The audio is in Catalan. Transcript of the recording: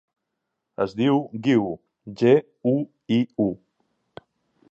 Es diu Guiu: ge, u, i, u.